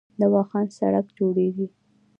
د واخان سړک جوړیږي